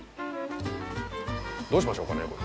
どうしましょうかねこれ。